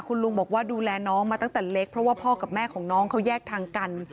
คุณลุงบอกว่าดูแลน้องมาตั้งแต่เล็กเพราะว่าพ่อกับแม่ของน้องเขาแยกทางกัน